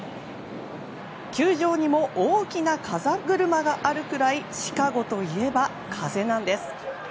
球場にも大きな風車があるぐらいシカゴといえば、風なんです。